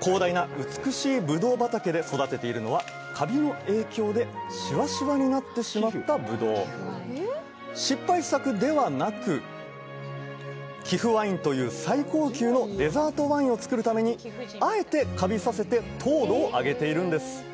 広大な美しいブドウ畑で育てているのはカビの影響でしわしわになってしまったブドウ失敗作ではなく貴腐ワインという最高級のデザートワインを造るためにあえてカビさせて糖度を上げているんです